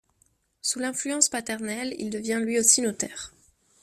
Sous l'influence paternelle, il devient lui aussi notaire.